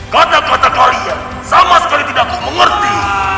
kata kata kalian sama sekali tidak kau mengerti